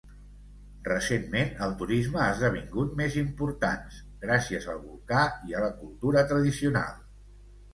Recentment, el turisme ha esdevingut més importants, gràcies al volcà i a la cultura tradicional.